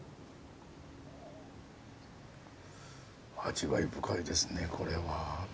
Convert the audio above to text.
味わい深いですねこれは。